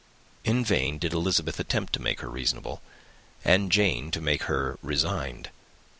In vain did Elizabeth attempt to make her reasonable, and Jane to make her resigned.